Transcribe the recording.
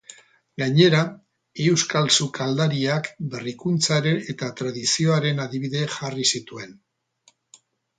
Gainera, euskal sukaldariak berrikuntzaren eta tradizioaren adibide jarri zituen.